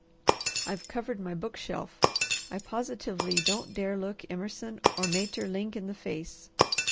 I've covered my book shelf. I positively don't dare look Emerson or Maeterlinck in the face.